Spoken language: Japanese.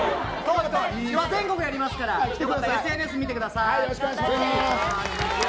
全国でやりますからＳＮＳ見てください。